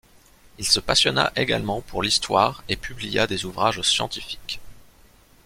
Il se passionna également pour l’histoire et publia des ouvrages scientifiques.